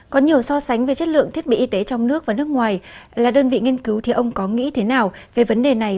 có nhiều so sánh về chất lượng thiết bị y tế trong nước và nước ngoài là đơn vị nghiên cứu thì ông có nghĩ thế nào về vấn đề này